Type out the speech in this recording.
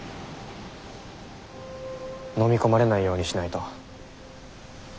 のみ込まれないようにしないと。